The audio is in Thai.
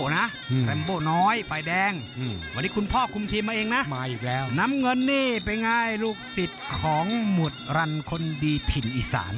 น้ำเงินนี่เป็นไงลูกศิษย์ของหมวดรันคนดีถิ่นอีสาน